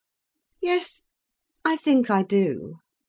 "Yes, I think I do.